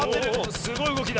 すごいうごきだ。